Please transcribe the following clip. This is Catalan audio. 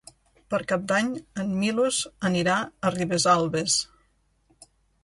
Per Cap d'Any en Milos anirà a Ribesalbes.